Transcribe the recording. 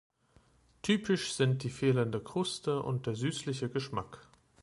Typisch sind die fehlende Kruste und der süßliche Geschmack.